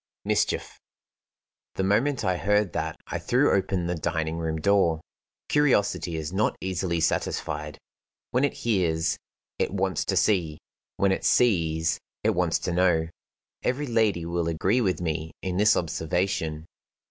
Mischief!" The moment I heard that I threw open the dining room door. Curiosity is not easily satisfied. When it hears, it wants to see; when it sees, it wants to know. Every lady will agree with me in this observation.